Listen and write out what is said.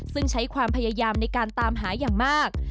ซึ่งใช้ความพยายามในการตามหาอย่างมาก